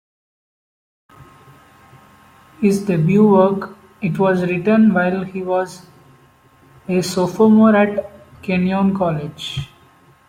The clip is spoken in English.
His debut work, it was written while he was a sophomore at Kenyon College.